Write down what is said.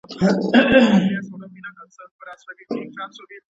بولاني په تناره کي نه پخېږي.